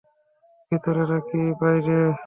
ভিতরে নাকি বাইরে?